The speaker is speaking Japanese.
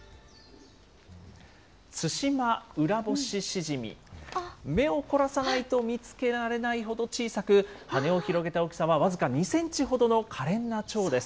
ツシマウラボシシジミ、目を凝らさないと見つけられないほど小さく、羽を広げた大きさは僅か２センチほどのかれんなチョウです。